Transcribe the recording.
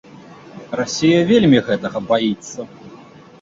Расія вельмі гэтага баіцца.